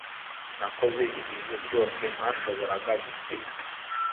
Nakoze ibintu byose ntashoboraga guseka